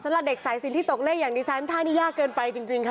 สำหรับเด็กสายสินที่ตกเลขอย่างดิฉันท่านี้ยากเกินไปจริงค่ะ